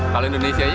kalau indonesia nya